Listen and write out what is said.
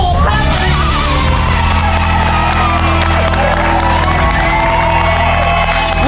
ถูกครับ